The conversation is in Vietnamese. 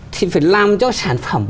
thì phải làm cho sản phẩm